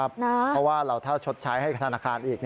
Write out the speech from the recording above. เพราะว่าเราถ้าชดใช้ให้กับธนาคารอีก